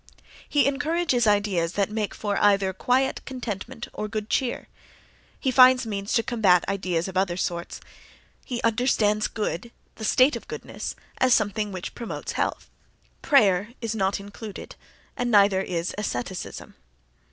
He encourages ideas that make for either quiet contentment or good cheer—he finds means to combat ideas of other sorts. He understands good, the state of goodness, as something which promotes health. Prayer is not included, and neither is asceticism.